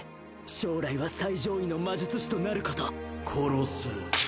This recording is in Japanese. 将来は最上位の魔術師となること・殺せ